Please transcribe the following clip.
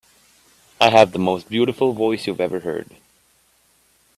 I have the most beautiful voice you have ever heard.